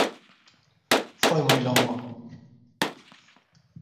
Foi moi longo.